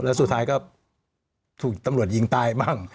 แล้วสุดท้ายก็ถูกตำรวจยิงตายบ้าง